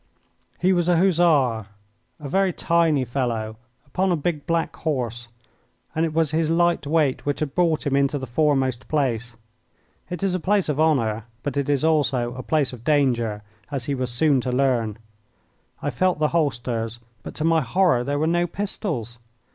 He was a Hussar, a very tiny fellow, upon a big black horse, and it was his light weight which had brought him into the foremost place. It is a place of honour; but it is also a place of danger, as he was soon to learn. I felt the holsters, but, to my horror, there were no pistols.